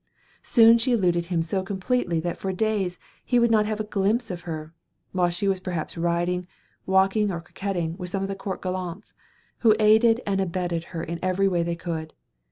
Soon she eluded him so completely that for days he would not have a glimpse of her, while she was perhaps riding, walking or coquetting with some of the court gallants, who aided and abetted her in every way they could.